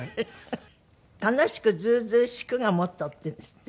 「楽しくずうずうしく」がモットーっていうんですって？